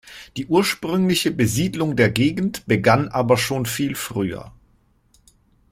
Die ursprüngliche Besiedlung der Gegend begann aber schon viel früher.